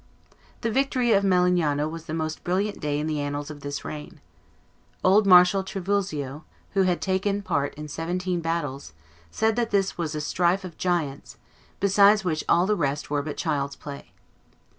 The victory of Melegnano was the most brilliant day in the annals of this reign. Old Marshal Trivulzio, who had taken part in seventeen battles, said that this was a strife of giants, beside which all the rest were but child's play.